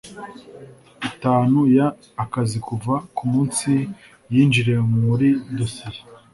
itanu y akazi kuva ku munsi yinjiriye muri dosiye